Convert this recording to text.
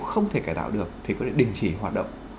không thể cải tạo được thì có thể đình chỉ hoạt động